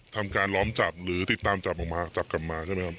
ทำการล้อมจับหรือติดตามจับออกมาจับกลับมาใช่ไหมครับ